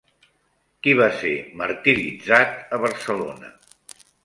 Qui va ser martiritzat a Barcelona?